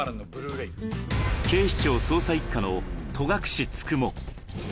警視庁捜査一課の戸隠九十九。